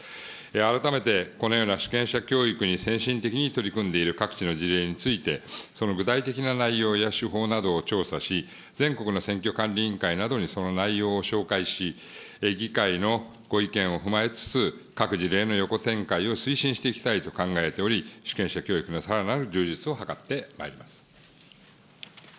改めてこのような主権者教育に先進的に取り組んでいる各地の事例について、その具体的な内容や、手法などを調査し、全国の選挙管理委員会などにその内容を紹介し、議会のご意見を踏まえつつ、各事例の横展開を推進していきたいと考えており、主権者教育のさらなる充実を図ってまいります。